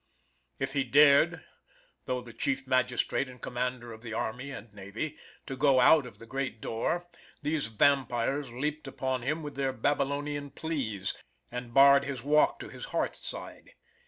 If he dared, though the chief magistrate and commander of the army and navy, to go out of the great door, these vampires leaped upon him with their Babylonian pleas, and barred his walk to his hearthside.